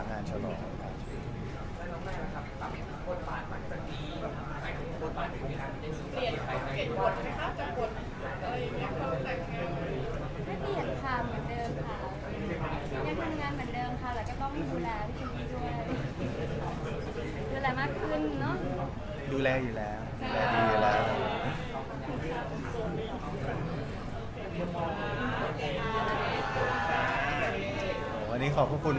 น้องนานจริงอาจจะเป็นหลังงานชะลอง